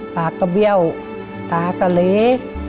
ปากก็เบี้ยวตาก็เหล